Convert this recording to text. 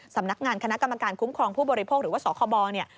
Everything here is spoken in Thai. สำนักงานคณะกรรมการคุ้มครองผู้บริโภคหรือว่าสคบเนี่ย